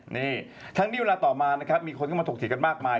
นี่ทั้งนี้เวลาต่อมานะครับมีคนเข้ามาถกเถียงกันมากมาย